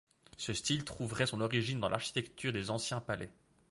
Ce style trouverait son origine dans l'architecture des anciens palais.